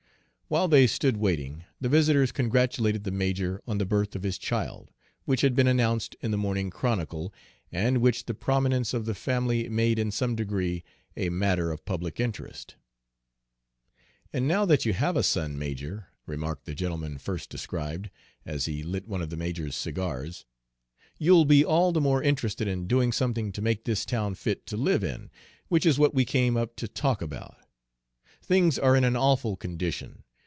While they stood waiting, the visitors congratulated the major on the birth of his child, which had been announced in the Morning Chronicle, and which the prominence of the family made in some degree a matter of public interest. "And now that you have a son, major," remarked the gentleman first described, as he lit one of the major's cigars, "you'll be all the more interested in doing something to make this town fit to live in, which is what we came up to talk about. Things are in an awful condition!